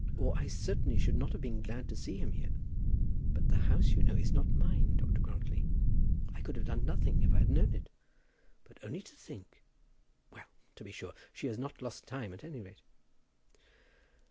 "Or I certainly should not have been glad to see him here. But the house, you know, is not mine, Dr. Grantly. I could have done nothing if I had known it. But only to think ; well, to be sure. She has not lost time, at any rate."